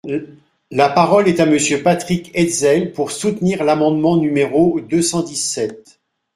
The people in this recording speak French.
La parole est à Monsieur Patrick Hetzel, pour soutenir l’amendement numéro deux cent dix-sept.